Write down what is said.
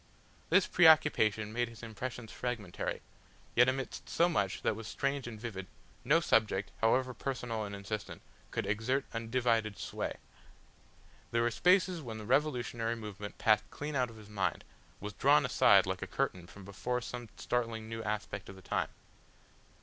This preoccupation made his impressions fragmentary. Yet amidst so much that was strange and vivid, no subject, however personal and insistent, could exert undivided sway. There were spaces when the revolutionary movement passed clean out of his mind, was drawn aside like a curtain from before some startling new aspect of the time.